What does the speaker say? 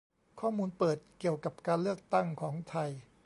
ข้อมูลเปิด เกี่ยวกับการเลือกตั้งของไทย